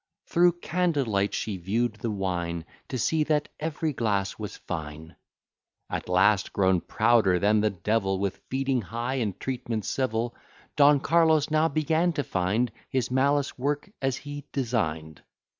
Through candle light she view'd the wine, To see that ev'ry glass was fine. At last, grown prouder than the devil With feeding high, and treatment civil, Don Carlos now began to find His malice work as he design'd.